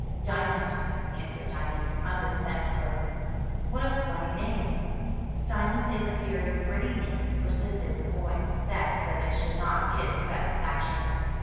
''Diamond,'' answered Diamond, under the bedclothes. "What a funny name!" "Diamond is a very pretty name," persisted the boy, vexed that it should not give satisfaction.